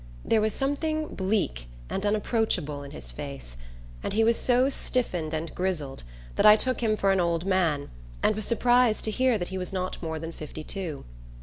There was something bleak and unapproachable in his face, and he was so stiffened and grizzled that I took him for an old man and was surprised to hear that he was not more than fifty two.